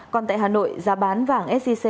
còn tại hà nội giá bán vàng sec